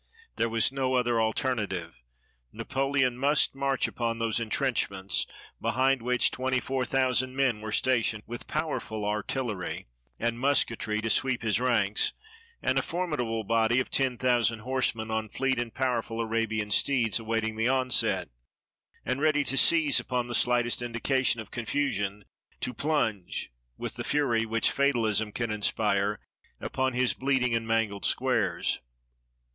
There was no other alternative. Napoleon must march upon those intrenchments, behind which twenty four thousand men were stationed with powerful artillery and mus ketry to sweep his ranks, and a formidable body of ten thousand horsemen, on fleet and powerful Arabian steeds, awaiting the onset, and ready to seize upon the slightest indication of confusion to plunge, with the fury which fatalism can inspire, upon his bleeding and mangled squares.